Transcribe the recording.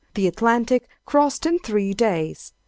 —The Atlantic crossed in Three Days!